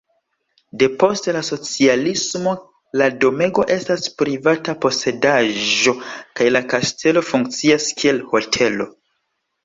Depost la socialismo la domego estas privata posedaĵo kaj la kastelo funkcias kiel hotelo.